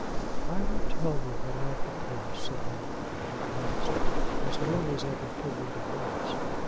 "I will tell you what I have proposed," said he at last, "as nearly as I can put it into words.